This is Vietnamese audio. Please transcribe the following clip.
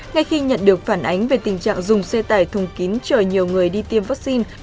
ngay khi nhận được phản ánh về tình trạng dùng xe tải thùng kín chờ nhiều người đi tiêm vaccine